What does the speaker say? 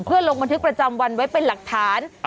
เพื่อลงบันทึกประจำวันไว้เป็นหลักฐาน